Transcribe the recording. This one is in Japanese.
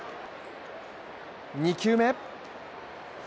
２球目。